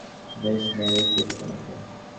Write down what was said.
বেশ, মেরেই ফেলি তোমাকে!